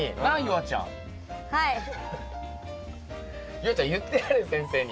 夕空ちゃん言ってやれ先生に。